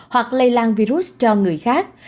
hoặc lây lan virus cho người khác